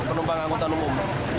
penumpang angkutan umum